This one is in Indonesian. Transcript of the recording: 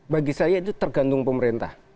bagi saya itu tergantung pemerintah